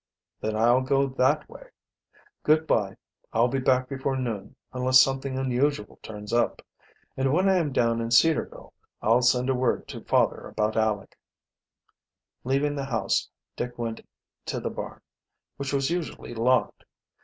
"Then I'll go that way. Good by. I'll be back before noon, unless something unusual turns up. And when I am down in Cedarville I'll send word to father about Aleck." Leaving the house Dick went to the barn, which was usually locked.